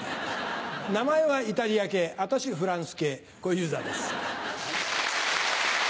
名前はイタリア系私フランス系小遊三です。